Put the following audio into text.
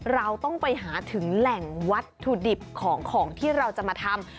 เราต้องไปหาถึงแหล่งวัตถุดิบของที่เราจะมาทำ